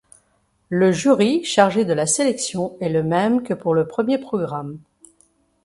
Le jury chargé de la sélection est le même que pour le premier programme.